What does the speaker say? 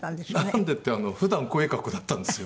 なんでって普段こういう格好だったんですよ。